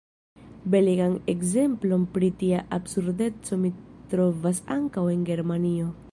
Belegan ekzemplon pri tia absurdeco ni trovas ankaŭ en Germanio.